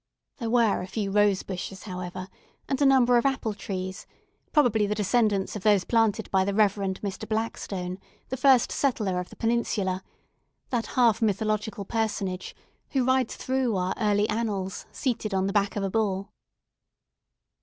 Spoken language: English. There were a few rose bushes, however, and a number of apple trees, probably the descendants of those planted by the Reverend Mr. Blackstone, the first settler of the peninsula; that half mythological personage who rides through our early annals, seated on the back of a bull.